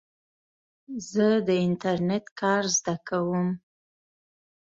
زه د انټرنېټ کار زده کوم.